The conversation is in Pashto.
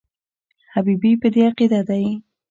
حبیبي په دې عقیده دی.